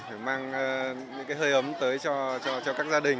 để mang những cái hơi ấm tới cho các gia đình